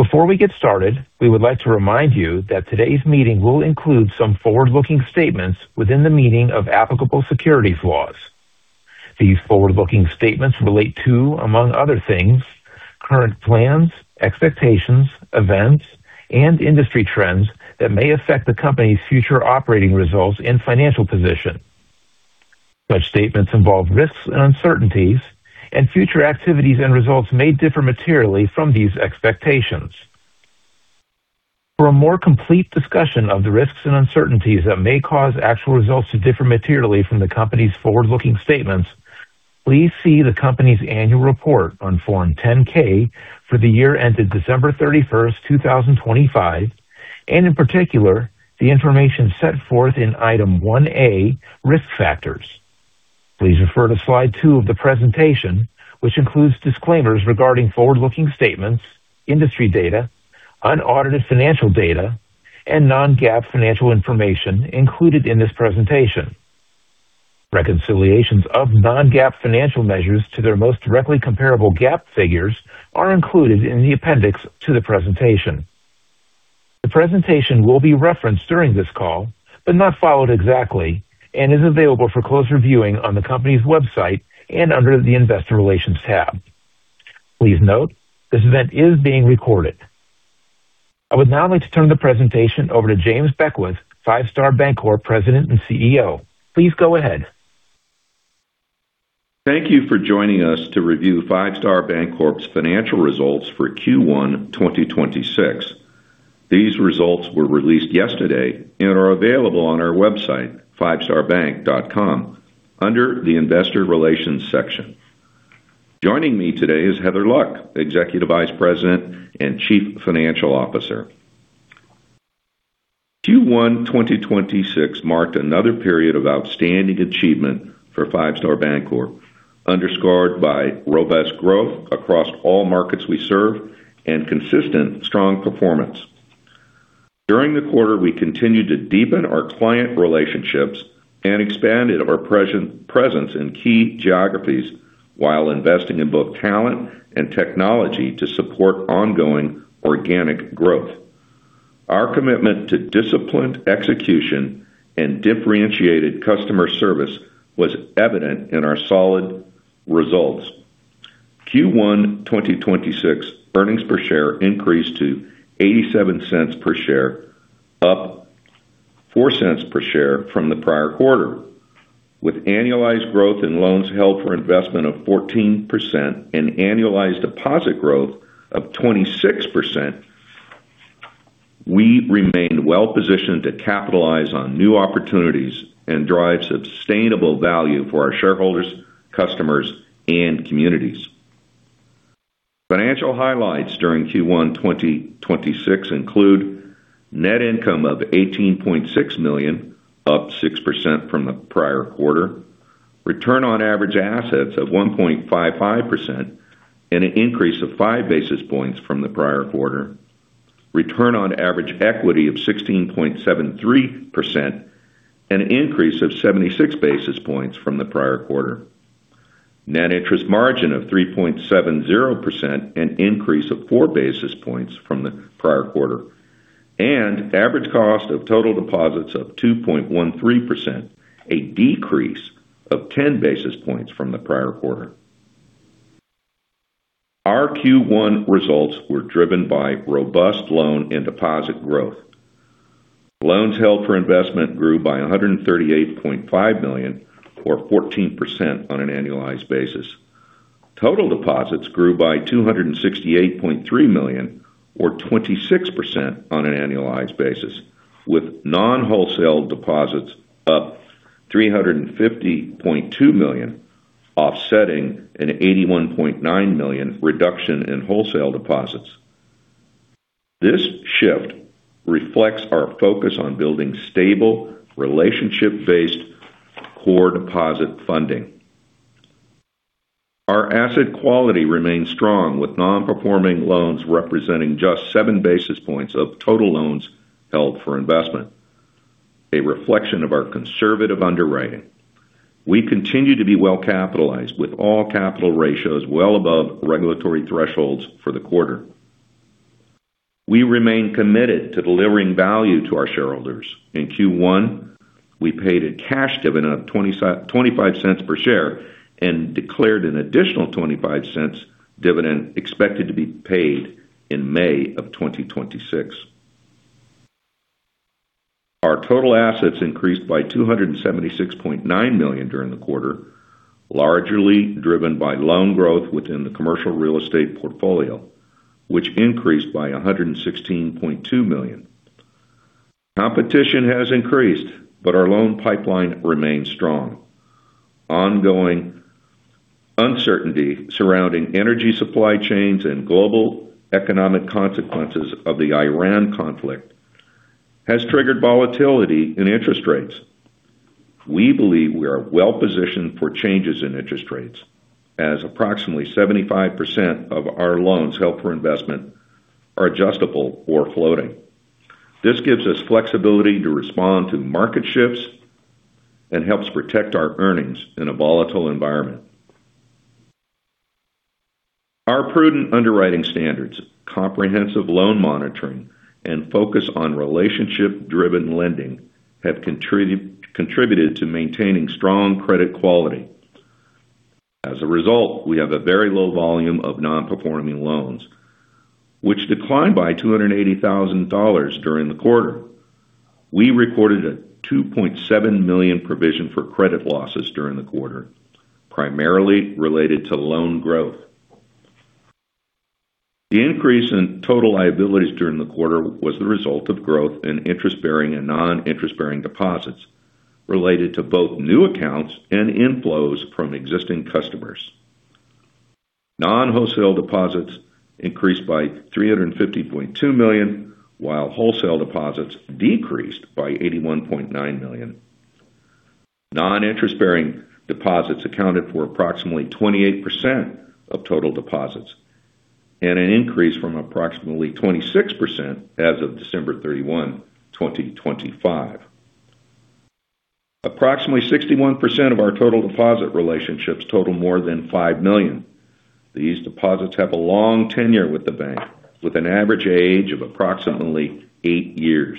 Before we get started, we would like to remind you that today's meeting will include some forward-looking statements within the meaning of applicable securities laws. These forward-looking statements relate to, among other things, current plans, expectations, events and industry trends that may affect the company's future operating results and financial position. Such statements involve risks and uncertainties, and future activities and results may differ materially from these expectations. For a more complete discussion of the risks and uncertainties that may cause actual results to differ materially from the company's forward-looking statements, please see the company's annual report on Form 10-K for the year ended December 31st, 2025, and in particular, the information set forth in Item 1A, Risk Factors. Please refer to slide 2 of the presentation, which includes disclaimers regarding forward-looking statements, industry data, unaudited financial data, and non-GAAP financial information included in this presentation. Reconciliations of non-GAAP financial measures to their most directly comparable GAAP figures are included in the appendix to the presentation. The presentation will be referenced during this call, but not followed exactly, and is available for closer viewing on the company's website and under the Investor Relations tab. Please note, this event is being recorded. I would now like to turn the presentation over to James Beckwith, Five Star Bancorp President and CEO. Please go ahead. Thank you for joining us to review Five Star Bancorp's financial results for Q1 2026. These results were released yesterday and are available on our website, fivestarbank.com, under the Investor Relations section. Joining me today is Heather Luck, Executive Vice President and Chief Financial Officer. Q1 2026 marked another period of outstanding achievement for Five Star Bancorp, underscored by robust growth across all markets we serve and consistent strong performance. During the quarter, we continued to deepen our client relationships and expanded our presence in key geographies while investing in both talent and technology to support ongoing organic growth. Our commitment to disciplined execution and differentiated customer service was evident in our solid results. Q1 2026 earnings per share increased to $0.87 per share, up $0.04 per share from the prior quarter. With annualized growth in loans held for investment of 14% and annualized deposit growth of 26%, we remain well-positioned to capitalize on new opportunities and drive sustainable value for our shareholders, customers, and communities. Financial highlights during Q1 2026 include net income of $18.6 million, up 6% from the prior quarter, return on average assets of 1.55% and an increase of 5 basis points from the prior quarter, return on average equity of 16.73%, an increase of 76 basis points from the prior quarter, net interest margin of 3.70%, an increase of 4 basis points from the prior quarter, and average cost of total deposits of 2.13%, a decrease of 10 basis points from the prior quarter. Our Q1 results were driven by robust loan and deposit growth. Loans held for investment grew by $138.5 million or 14% on an annualized basis. Total deposits grew by $268.3 million or 26% on an annualized basis, with non-wholesale deposits up $350.2 million, offsetting an $81.9 million reduction in wholesale deposits. This shift reflects our focus on building stable, relationship-based core deposit funding. Our asset quality remains strong, with non-performing loans representing just seven basis points of total loans held for investment, a reflection of our conservative underwriting. We continue to be well capitalized, with all capital ratios well above regulatory thresholds for the quarter. We remain committed to delivering value to our shareholders. In Q1, we paid a cash dividend of $0.25 per share and declared an additional $0.25 dividend expected to be paid in May of 2026. Our total assets increased by $276.9 million during the quarter, largely driven by loan growth within the commercial real estate portfolio, which increased by $116.2 million. Competition has increased, but our loan pipeline remains strong. Ongoing uncertainty surrounding energy supply chains and global economic consequences of the Iran conflict has triggered volatility in interest rates. We believe we are well-positioned for changes in interest rates as approximately 75% of our loans held for investment are adjustable or floating. This gives us flexibility to respond to market shifts and helps protect our earnings in a volatile environment. Our prudent underwriting standards, comprehensive loan monitoring, and focus on relationship-driven lending have contributed to maintaining strong credit quality. As a result, we have a very low volume of non-performing loans, which declined by $280,000 during the quarter. We recorded a $2.7 million provision for credit losses during the quarter, primarily related to loan growth. The increase in total liabilities during the quarter was the result of growth in interest-bearing and non-interest-bearing deposits related to both new accounts and inflows from existing customers. Non-wholesale deposits increased by $350.2 million, while wholesale deposits decreased by $81.9 million. Non-interest-bearing deposits accounted for approximately 28% of total deposits and an increase from approximately 26% as of December 31, 2025. Approximately 61% of our total deposit relationships total more than $5 million. These deposits have a long tenure with the bank, with an average age of approximately eight years.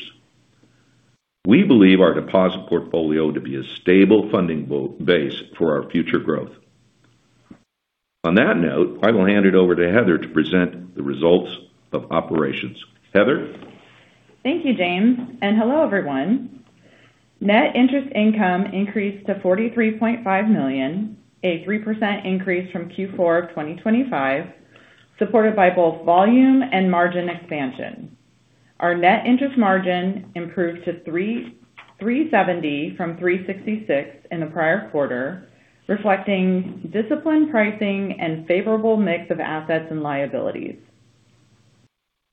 We believe our deposit portfolio to be a stable funding base for our future growth. On that note, I will hand it over to Heather to present the results of operations. Heather? Thank you, James, and hello, everyone. Net interest income increased to $43.5 million, a 3% increase from Q4 2025, supported by both volume and margin expansion. Our net interest margin improved to 3.70% from 3.66% in the prior quarter, reflecting disciplined pricing and favorable mix of assets and liabilities.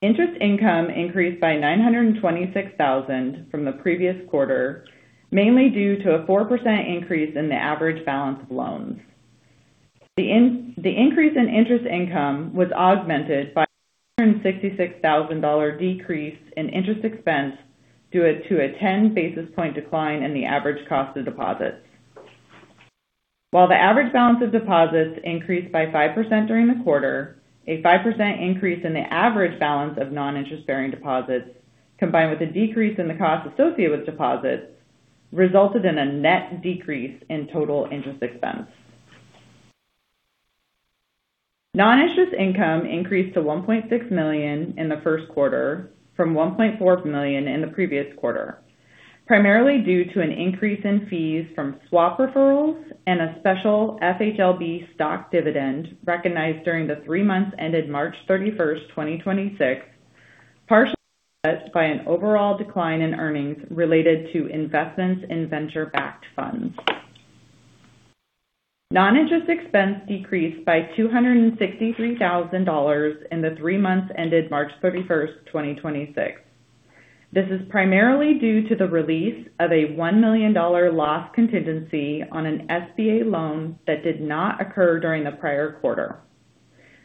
Interest income increased by $926,000 from the previous quarter, mainly due to a 4% increase in the average balance of loans. The increase in interest income was augmented by a $166,000 decrease in interest expense due to a 10 basis point decline in the average cost of deposits. While the average balance of deposits increased by 5% during the quarter, a 5% increase in the average balance of non-interest-bearing deposits, combined with a decrease in the cost associated with deposits, resulted in a net decrease in total interest expense. Non-interest income increased to $1.6 million in the first quarter from $1.4 million in the previous quarter, primarily due to an increase in fees from swap referrals and a special FHLB stock dividend recognized during the three months ended March 31, 2026, partially offset by an overall decline in earnings related to investments in venture-backed funds. Non-interest expense decreased by $263,000 in the three months ended March 31, 2026. This is primarily due to the release of a $1 million loss contingency on an SBA loan that did not occur during the prior quarter.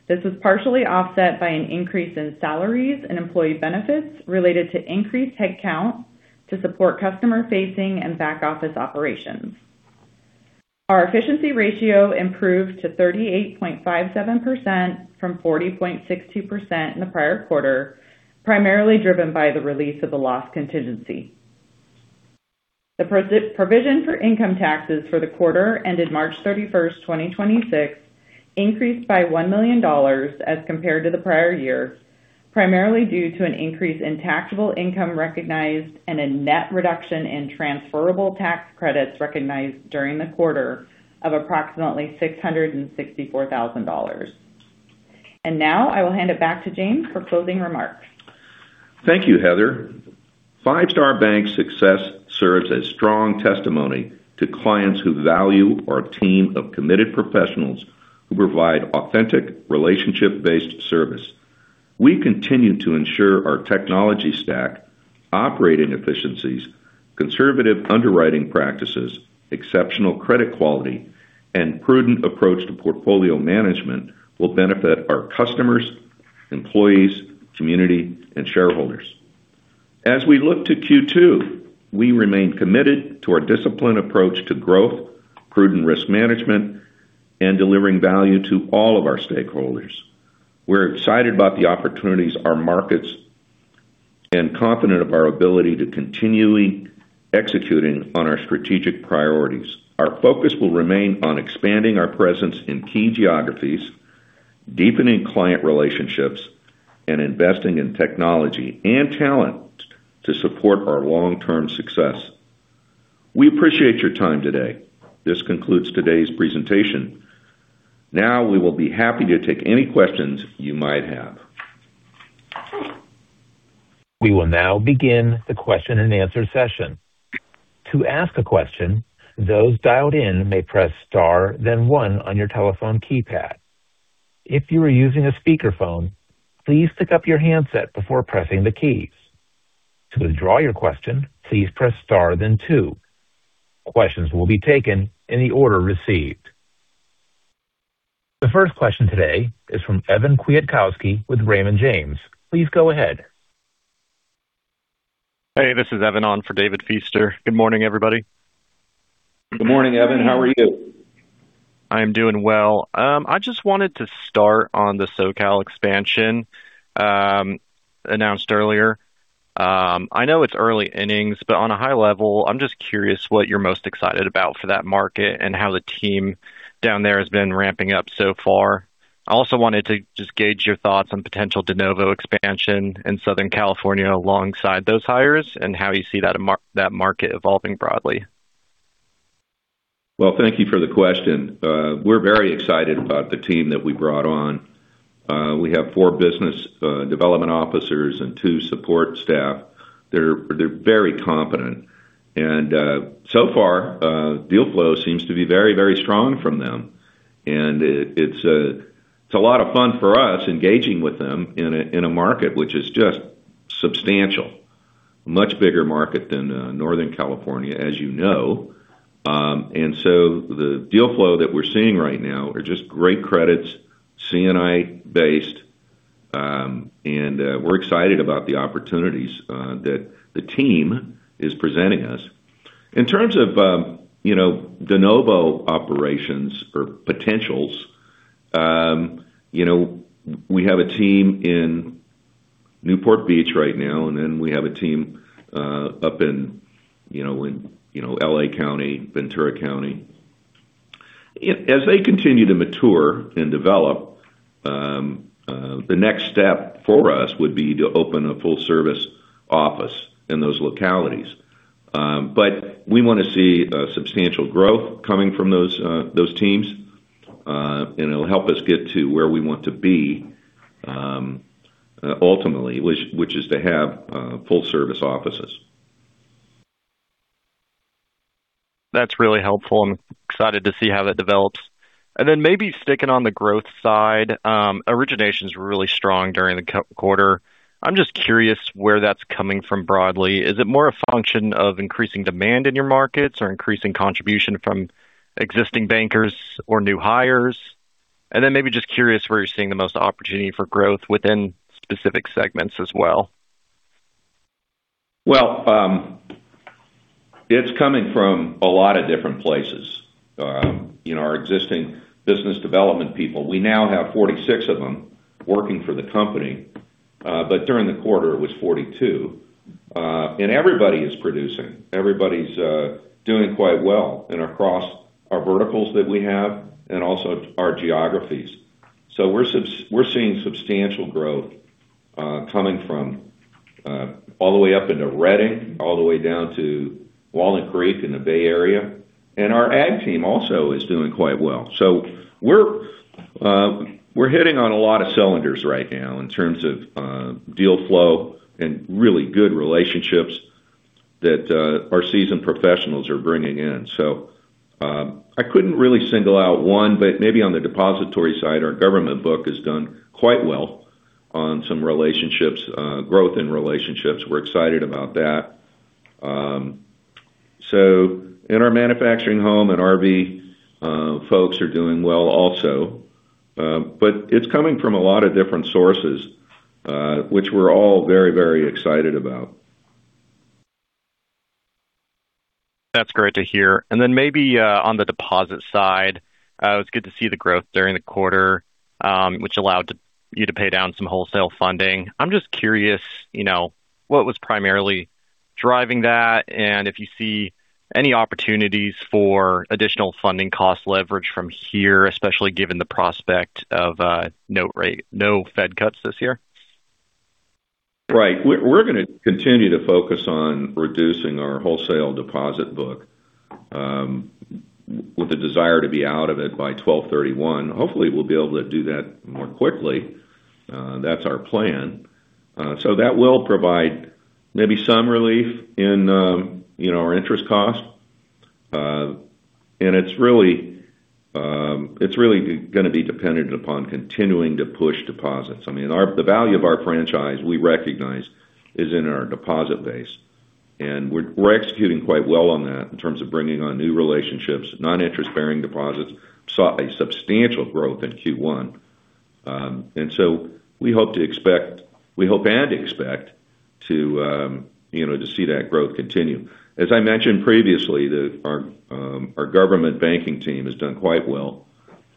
This was partially offset by an increase in salaries and employee benefits related to increased headcount to support customer-facing and back-office operations. Our efficiency ratio improved to 38.57% from 40.62% in the prior quarter, primarily driven by the release of the loss contingency. The provision for income taxes for the quarter ended March 31, 2026, increased by $1 million as compared to the prior year, primarily due to an increase in taxable income recognized and a net reduction in transferable tax credits recognized during the quarter of approximately $664,000. Now I will hand it back to James for closing remarks. Thank you, Heather. Five Star Bank's success serves as strong testimony to clients who value our team of committed professionals who provide authentic relationship-based service. We continue to ensure our technology stack, operating efficiencies, conservative underwriting practices, exceptional credit quality, and prudent approach to portfolio management will benefit our customers, employees, community, and shareholders. As we look to Q2, we remain committed to our disciplined approach to growth, prudent risk management, and delivering value to all of our stakeholders. We're excited about the opportunities our markets and confident of our ability to continually executing on our strategic priorities. Our focus will remain on expanding our presence in key geographies, deepening client relationships, and investing in technology and talent to support our long-term success. We appreciate your time today. This concludes today's presentation. Now we will be happy to take any questions you might have. We will now begin the question and answer session. The first question today is from David Feaster with Raymond James. Please go ahead. Hey, this is David Feaster on for David Feaster. Good morning, everybody. Good morning, David Feaster. How are you? I am doing well. I just wanted to start on the SoCal expansion, announced earlier. I know it's early innings, on a high level, I'm just curious what you're most excited about for that market and how the team down there has been ramping up so far. I also wanted to just gauge your thoughts on potential de novo expansion in Southern California alongside those hires and how you see that market evolving broadly. Well, thank you for the question. We're very excited about the team that we brought on. We have 4 business development officers and 2 support staff. They're very competent. So far, deal flow seems to be very strong from them. It's a lot of fun for us engaging with them in a market which is just substantial. Much bigger market than Northern California, as you know. The deal flow that we're seeing right now are just great credits, C&I-based. We're excited about the opportunities that the team is presenting us. In terms of, you know, de novo operations or potentials, you know, we have a team in Newport Beach right now, and then we have a team up in, you know, in, you know, L.A. County, Ventura County. As they continue to mature and develop, the next step for us would be to open a full service office in those localities. We want to see a substantial growth coming from those teams, and it will help us get to where we want to be ultimately, which is to have full service offices. That's really helpful. I'm excited to see how that develops. Maybe sticking on the growth side, origination's really strong during the quarter. I'm just curious where that's coming from broadly. Is it more a function of increasing demand in your markets or increasing contribution from existing bankers or new hires? Maybe just curious where you're seeing the most opportunity for growth within specific segments as well. Well, it's coming from a lot of different places. You know, our existing business development people, we now have 46 of them working for the company. But during the quarter, it was 42. Everybody is producing. Everybody's doing quite well and across our verticals that we have and also our geographies. We're seeing substantial growth coming from all the way up into Redding, all the way down to Walnut Creek in the Bay Area. Our ag team also is doing quite well. We're hitting on a lot of cylinders right now in terms of deal flow and really good relationships that our seasoned professionals are bringing in. I couldn't really single out one, but maybe on the depository side, our government book has done quite well on some relationships, growth in relationships. We're excited about that. Our manufactured home and RV folks are doing well also. It's coming from a lot of different sources, which we're all very, very excited about. That's great to hear. Then maybe, on the deposit side, it's good to see the growth during the quarter, which allowed you to pay down some wholesale funding. I'm just curious, you know, what was primarily driving that, if you see any opportunities for additional funding cost leverage from here, especially given the prospect of no Fed cuts this year. Right. We're going to continue to focus on reducing our wholesale deposit book, with a desire to be out of it by 12/31. Hopefully, we'll be able to do that more quickly. That's our plan. That will provide maybe some relief in, you know, our interest cost. It's really, it's really going to be dependent upon continuing to push deposits. I mean, the value of our franchise, we recognize, is in our deposit base. We're executing quite well on that in terms of bringing on new relationships. Non-interest-bearing deposits saw substantial growth in Q1. We hope and expect to, you know, to see that growth continue. As I mentioned previously, our government banking team has done quite well.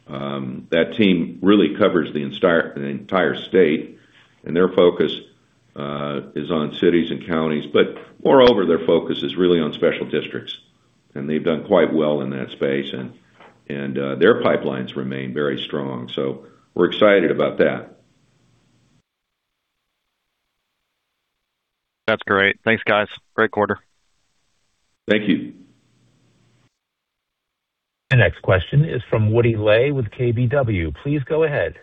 That team really covers the entire state, and their focus is on cities and counties. Moreover, their focus is really on special districts, and they've done quite well in that space and their pipelines remain very strong. We're excited about that. That's great. Thanks, guys. Great quarter. Thank you. The next question is from Woody Lay with KBW. Please go ahead.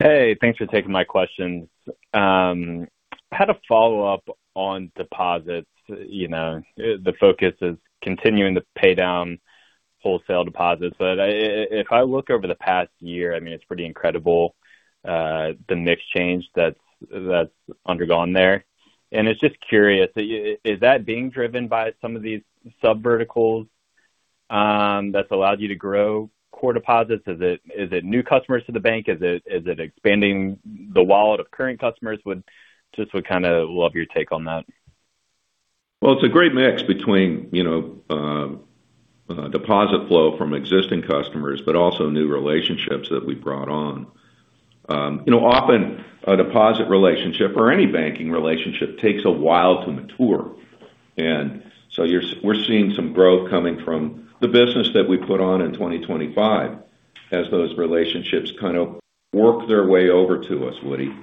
Hey, thanks for taking my questions. I had a follow-up on deposits. You know, the focus is continuing to pay down wholesale deposits. If I look over the past year, I mean, it's pretty incredible, the mix change that's undergone there. It's just curious, is that being driven by some of these subverticals, that's allowed you to grow core deposits? Is it, is it new customers to the bank? Is it, is it expanding the wallet of current customers? Just would kinda love your take on that. It's a great mix between, you know, deposit flow from existing customers, but also new relationships that we've brought on. You know, often a deposit relationship or any banking relationship takes a while to mature. We're seeing some growth coming from the business that we put on in 2025 as those relationships kind of work their way over to us, Woody.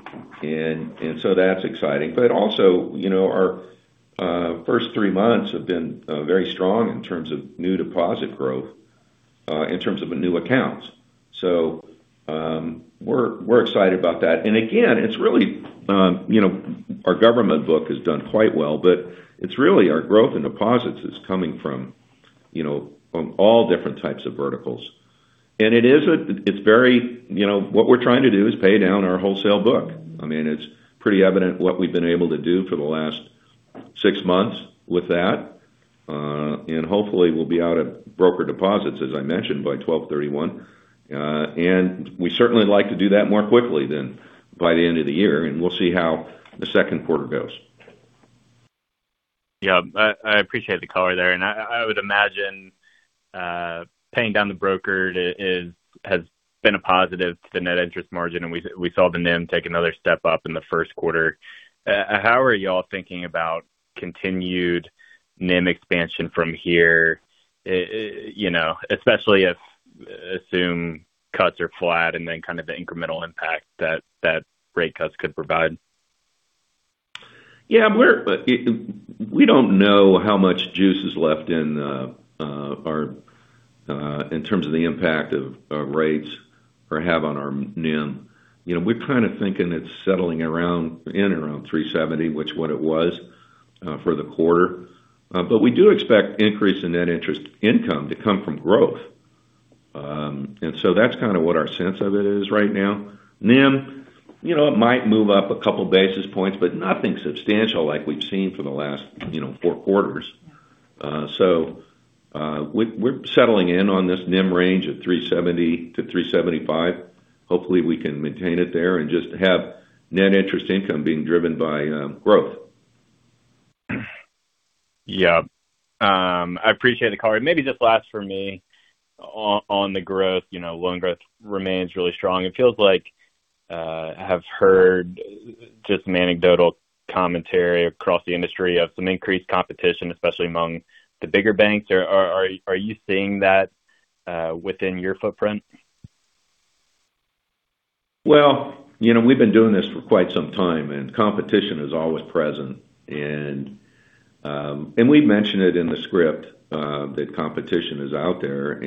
That's exciting. Also, you know, our first 3 months have been very strong in terms of new deposit growth, in terms of the new accounts. We're excited about that. Again, it's really, you know, our government book has done quite well, but it's really our growth in deposits is coming from, you know, from all different types of verticals. You know, what we're trying to do is pay down our wholesale book. I mean, it's pretty evident what we've been able to do for the last six months with that. Hopefully we'll be out of broker deposits, as I mentioned, by 12/31. We certainly like to do that more quickly than by the end of the year, and we'll see how the second quarter goes. Yeah. I appreciate the color there. I would imagine, paying down the broker has been a positive to the net interest margin, we saw the NIM take another step up in the first quarter. How are y'all thinking about continued NIM expansion from here? You know, especially if assume cuts are flat and then kind of the incremental impact that that rate cuts could provide. Yeah. We don't know how much juice is left in our in terms of the impact of rates or have on our NIM. You know, we're kind of thinking it's settling around, in around 3.70, which is what it was for the quarter. We do expect increase in net interest income to come from growth. That's kinda what our sense of it is right now. NIM, you know, it might move up a couple basis points, but nothing substantial like we've seen for the last, you know, 4 quarters. We're settling in on this NIM range of 3.70-3.75. Hopefully, we can maintain it there a just have net interest income being driven by growth. Yeah. I appreciate the color. Maybe just last for me on the growth. You know, loan growth remains really strong. It feels like, I have heard just some anecdotal commentary across the industry of some increased competition, especially among the bigger banks. Are you seeing that within your footprint? You know, we've been doing this for quite some time, competition is always present. We've mentioned it in the script that competition is out there.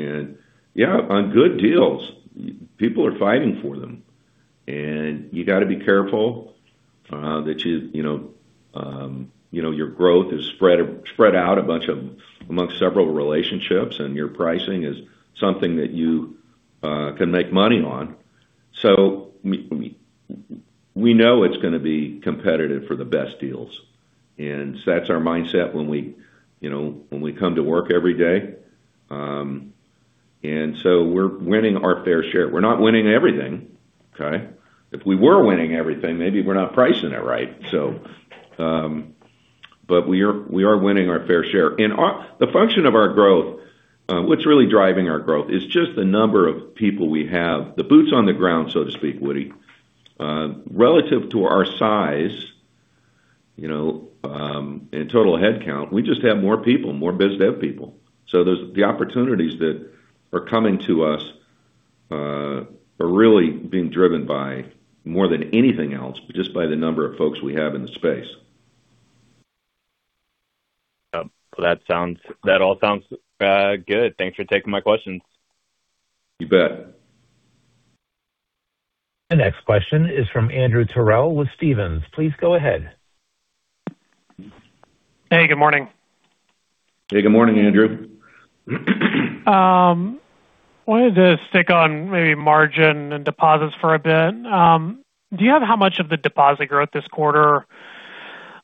Yeah, on good deals, people are fighting for them. You gotta be careful that you know, your growth is spread out amongst several relationships and your pricing is something that you can make money on. We know it's gonna be competitive for the best deals. That's our mindset when we, you know, when we come to work every day. We're winning our fair share. We're not winning everything, okay? If we were winning everything, maybe we're not pricing it right. We are winning our fair share. The function of our growth, what's really driving our growth is just the number of people we have, the boots on the ground, so to speak, Woody. Relative to our size, you know, and total headcount, we just have more people, more biz dev people. The opportunities that are coming to us, are really being driven by more than anything else, just by the number of folks we have in the space. Yeah. That all sounds good. Thanks for taking my questions. You bet. The next question is from Andrew Terrell with Stephens. Please go ahead. Hey, good morning. Hey, good morning, Andrew. Wanted to stick on maybe margin and deposits for a bit. Do you have how much of the deposit growth this quarter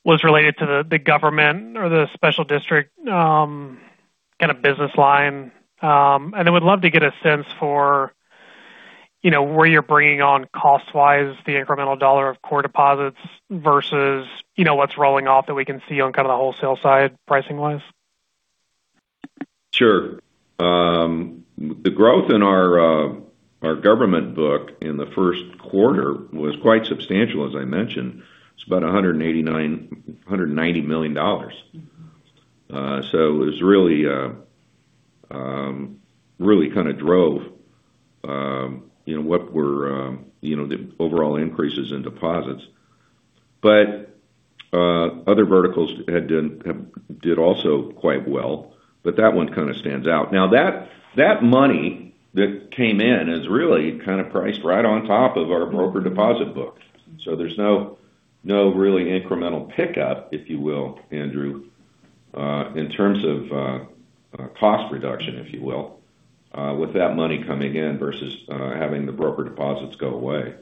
was related to the government or the special district, kinda business line? I would love to get a sense for, you know, where you're bringing on cost-wise the incremental dollar of core deposits versus, you know, what's rolling off that we can see on kinda the wholesale side pricing-wise. Sure. The growth in our government book in the first quarter was quite substantial, as I mentioned. It's about $190 million. It was really, really kind of drove, you know, what were, you know, the overall increases in deposits. Other verticals did also quite well, but that one kind of stands out. That, that money that came in is really kind of priced right on top of our broker deposit book. There's no really incremental pickup, if you will, Andrew, in terms of cost reduction, if you will, with that money coming in versus having the broker deposits go away.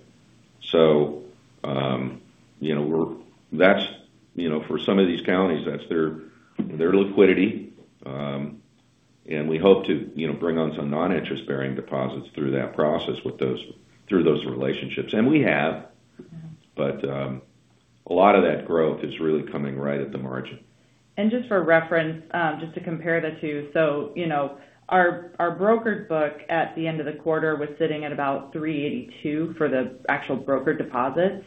You know, for some of these counties, that's their liquidity. We hope to, you know, bring on some non-interest-bearing deposits through that process through those relationships. We have. Mm-hmm. A lot of that growth is really coming right at the margin. Just for reference, just to compare the two. You know, our brokered book at the end of the quarter was sitting at about 3.82% for the actual broker deposits,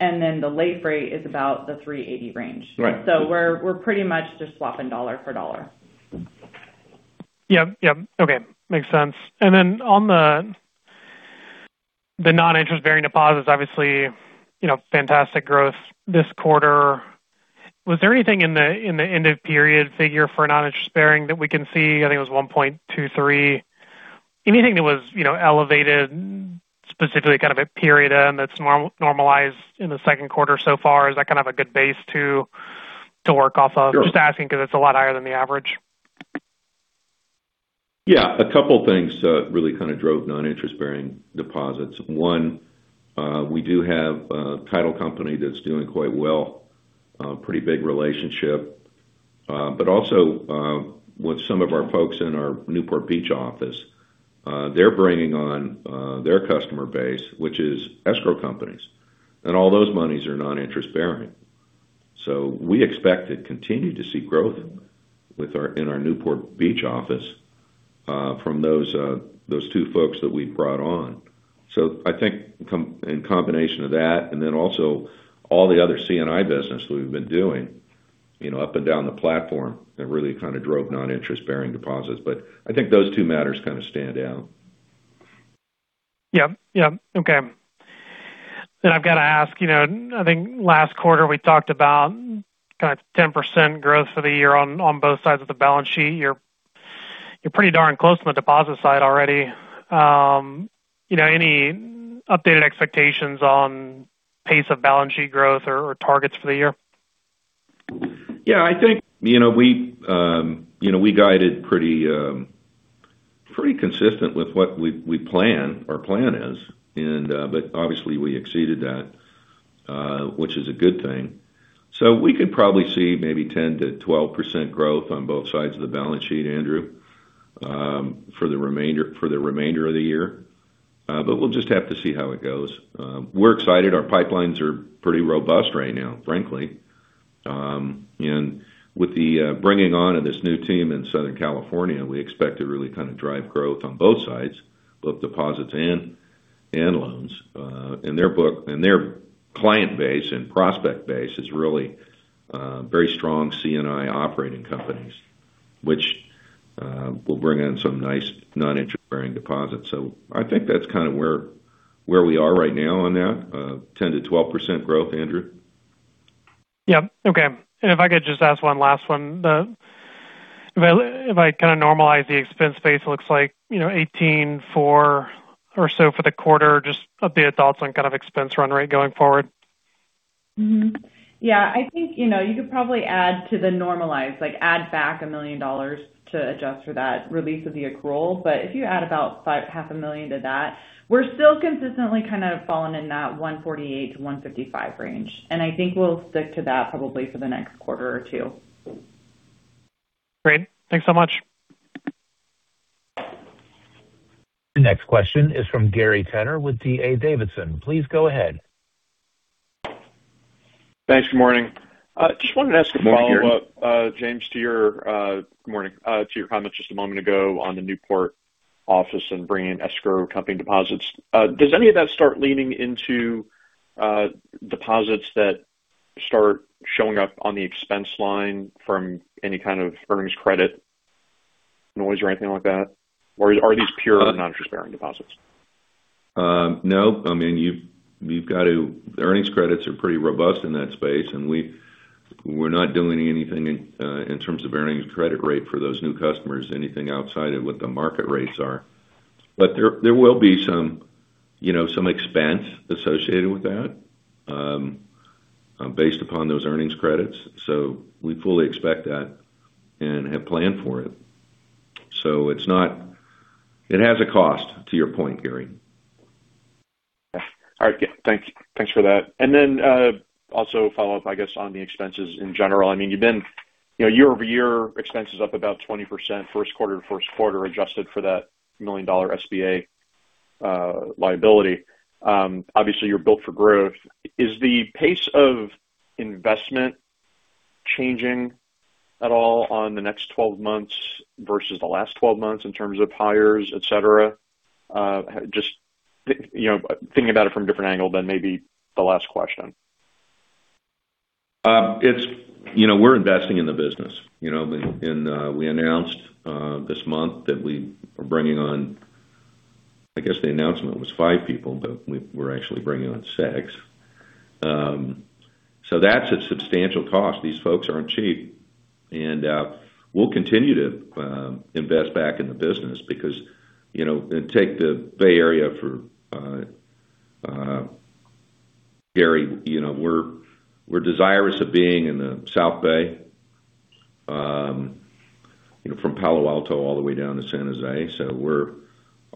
and then the LAIF rate is about the 3.80% range. Right. We're pretty much just swapping dollar for dollar. Yep, yep. Okay. Makes sense. On the non-interest-bearing deposits, obviously, you know, fantastic growth this quarter. Was there anything in the, in the end of period figure for non-interest bearing that we can see? I think it was 1.23. Anything that was, you know, elevated, specifically kind of a period that's norm-normalized in the second quarter so far? Is that kind of a good base to work off of? Sure. Just asking because it's a lot higher than the average. A couple things really kind of drove non-interest-bearing deposits. One, we do have a title company that's doing quite well, a pretty big relationship. Also, with some of our folks in our Newport Beach office, they're bringing on their customer base, which is escrow companies, and all those monies are non-interest-bearing. We expect to continue to see growth in our Newport Beach office from those 2 folks that we've brought on. I think in combination of that and then also all the other C&I business that we've been doing, you know, up and down the platform that really kind of drove non-interest-bearing deposits. I think those 2 matters kind of stand out. Yep. Yep. Okay. I've got to ask, you know, I think last quarter we talked about kind of 10% growth for the year on both sides of the balance sheet. You're, you're pretty darn close on the deposit side already. You know, any updated expectations on pace of balance sheet growth or targets for the year? Yeah, I think, you know, we, you know, we guided pretty consistent with what our plan is. But obviously we exceeded that, which is a good thing. We could probably see maybe 10%-12% growth on both sides of the balance sheet, Andrew, for the remainder of the year. We'll just have to see how it goes. We're excited. Our pipelines are pretty robust right now, frankly. With the bringing on of this new team in Southern California, we expect to really kind of drive growth on both sides, both deposits and loans. Their book and their client base and prospect base is really very strong C&I operating companies, which will bring in some nice non-interest-bearing deposits.nd I think that's kind of where we are right now on that, 10%-12% growth, Andrew. Yep. Okay. If I could just ask one last one. If I kind of normalize the expense base, it looks like, you know, $18.4 million or so for the quarter. Just update thoughts on kind of expense run rate going forward. |} that release of the accrual. If you add about half a million to that, we're still consistently kind of falling in that 148-155 range. I think we'll stick to that probably for the next quarter or two. Great. Thanks so much. The next question is from Gary Tenner with D.A. Davidson. Please go ahead. Thanks. Good morning. Morning, Gary. James, to your comments. Good morning. To your comments just a moment ago on the Newport office and bringing escrow company deposits. Does any of that start leaning into deposits that start showing up on the expense line from any kind of earnings credit noise or anything like that? Or are these pure non-interest-bearing deposits? No. I mean, you've got to earnings credits are pretty robust in that space, and we're not doing anything in terms of earnings credit rate for those new customers, anything outside of what the market rates are. There, there will be some, you know, some expense associated with that, based upon those earnings credits. We fully expect that and have planned for it. It has a cost, to your point, Gary. Yeah. All right, yeah. Thanks for that. Also a follow-up, I guess, on the expenses in general. I mean, you've been, you know, year-over-year expenses up about 20% first quarter to first quarter, adjusted for that million-dollar SBA liability. Obviously, you're built for growth. Is the pace of investment changing at all on the next 12 months versus the last 12 months in terms of hires, et cetera? You know, thinking about it from a different angle than maybe the last question. It's, you know, we're investing in the business. You know, we announced this month that we are bringing on, I guess the announcement was five people, but we're actually bringing on six. That's a substantial cost. These folks aren't cheap. We'll continue to invest back in the business because, you know, and take the Bay Area for Gary, you know, we're desirous of being in the South Bay, you know, from Palo Alto all the way down to San Jose. We're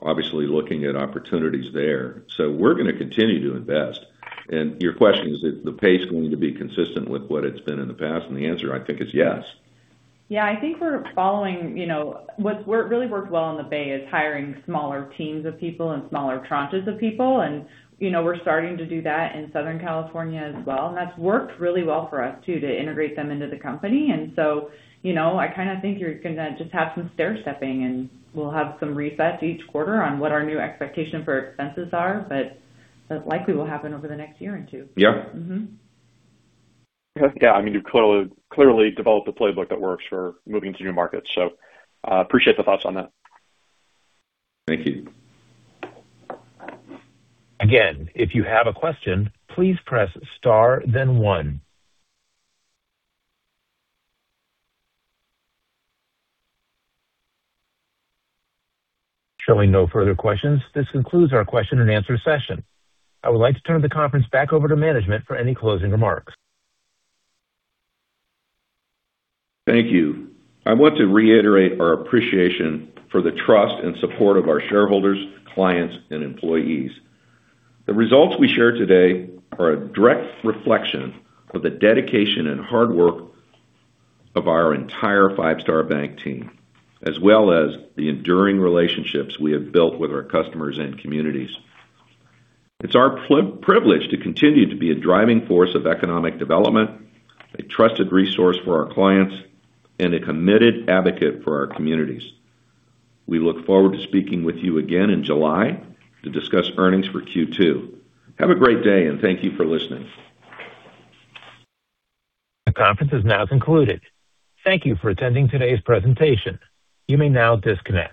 obviously looking at opportunities there. We're gonna continue to invest. Your question is the pace going to be consistent with what it's been in the past? The answer, I think, is yes. Yeah. I think we're following, you know, what really worked well in the Bay is hiring smaller teams of people and smaller tranches of people. You know, we're starting to do that in Southern California as well. That's worked really well for us too, to integrate them into the company. You know, I kinda think you're gonna just have some stair-stepping, and we'll have some resets each quarter on what our new expectation for expenses are. That likely will happen over the next year or two. Yeah. Mm-hmm. Yeah. I mean, you've clearly developed a playbook that works for moving to new markets, so appreciate the thoughts on that. Thank you. Showing no further questions, this concludes our question and answer session. I would like to turn the conference back over to management for any closing remarks. Thank you. I want to reiterate our appreciation for the trust and support of our shareholders, clients, and employees. The results we share today are a direct reflection of the dedication and hard work of our entire Five Star Bank team, as well as the enduring relationships we have built with our customers and communities. It's our privilege to continue to be a driving force of economic development, a trusted resource for our clients, a and committed advocate for our communities. We look forward to speaking with you again in July to discuss earnings for Q2. Have a great day, and thank you for listening. The conference is now concluded. Thank you for attending today's presentation. You may now disconnect.